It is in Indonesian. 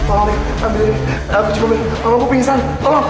aku juga mau ambil mama aku punya sang